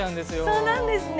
そうなんですね。